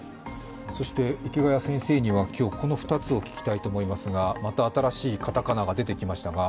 そして池谷先生には、この２つを聞きたいと思いますがまた新しいカタカナが出てきましたが。